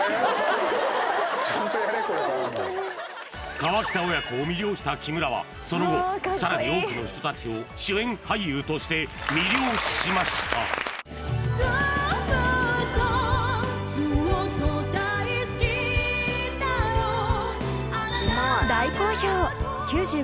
河北親子を魅了した木村はその後さらに多くの人たちを主演俳優として魅了しました大好評！